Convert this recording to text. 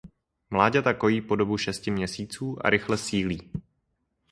Mláďata kojí po dobu šesti měsíců a rychle sílí.